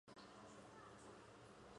后汉干佑二年窦偁中进士。